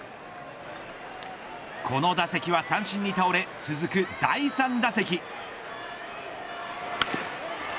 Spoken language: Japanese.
この打席は三振に倒れ続く第３打席。